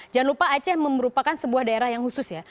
jangan lupa aceh merupakan sebuah daerah yang khusus ya